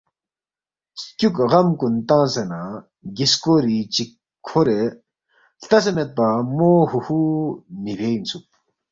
سکیُوک غم کُن تنگسے نہ گِسکوری چِک کھورے ہلتسے میدپا مو ہُوہُو مِہ بے اِنسُوک